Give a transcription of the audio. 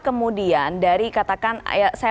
kemudian dari katakan saya